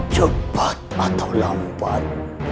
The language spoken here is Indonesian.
cepat atau lambat